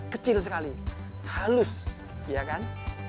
kecil sekali halus ya kan